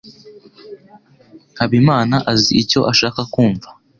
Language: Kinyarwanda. Habimana azi icyo ashaka kumva